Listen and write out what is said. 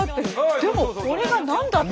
でもこれが何だって。